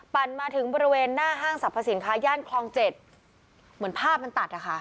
มาถึงบริเวณหน้าห้างสรรพสินค้าย่านคลองเจ็ดเหมือนภาพมันตัดอะค่ะ